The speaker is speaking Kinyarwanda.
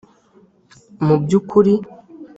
mu by'ukuri,